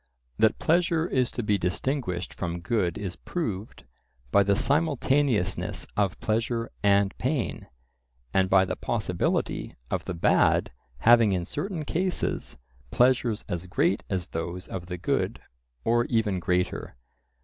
That pleasure is to be distinguished from good is proved by the simultaneousness of pleasure and pain, and by the possibility of the bad having in certain cases pleasures as great as those of the good, or even greater.